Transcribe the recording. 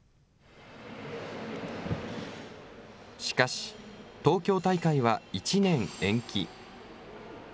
しかし、東京大会は１年延期。